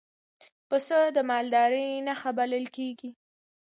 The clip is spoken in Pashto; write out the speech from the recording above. پسه د مالدارۍ نښه بلل کېږي.